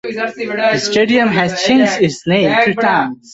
The stadium has changed its name three times.